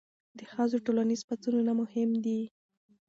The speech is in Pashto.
د ښځو ټولنیز پاڅونونه مهم وو.